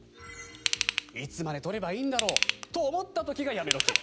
いつまで取ればいいんだろう？と思った時がやめ時。